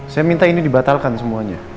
saya minta ini dibatalkan semuanya